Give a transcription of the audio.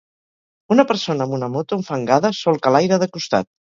Una persona amb una moto enfangada solca l'aire de costat.